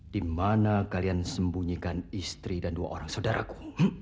dimana kalian sembunyikan istri dan dua orang saudaraku